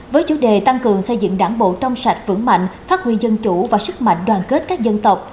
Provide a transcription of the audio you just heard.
với chủ đề tăng cường xây dựng đảng bộ trong sạch vững mạnh phát huy dân chủ và sức mạnh đoàn kết các dân tộc